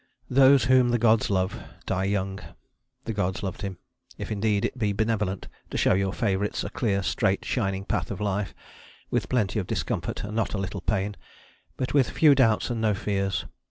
Those whom the gods love die young. The gods loved him, if indeed it be benevolent to show your favourites a clear, straight, shining path of life, with plenty of discomfort and not a little pain, but with few doubts and no fears.